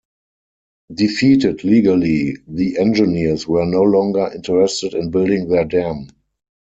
Defeated legally, the engineers were no longer interested in building their dam.